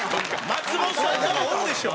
松本さんとかおるでしょ。